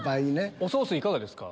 おソースいかがですか？